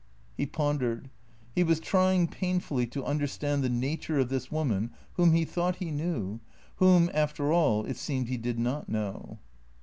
He pondered. He was trying, painfully, to understand the nature of this woman whom he thought he knew, whom, after all, it seemed, he did not know.